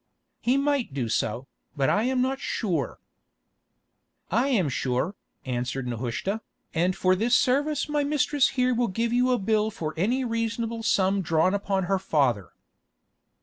"He might do so, but I am not sure." "I am sure," answered Nehushta, "and for this service my mistress here will give you a bill for any reasonable sum drawn upon her father."